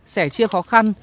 xẻ chia khó khăn